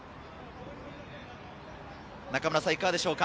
中村さん、いかがでしょうか？